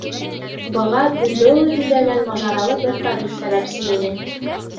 Быға Бульдео һөйләгән мажаралы бер тарих сәбәпсе ине.